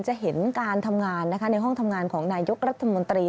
จะเห็นการทำงานในห้องทำงานของนายกรัฐมนตรี